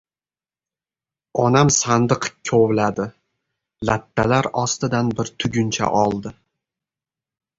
Onam sandiq kovladi. Lattalar ostidan bir tuguncha oldi.